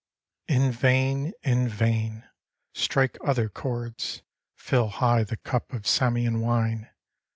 In vain — in vain: strike other chords; Fill high the cup of Samian wine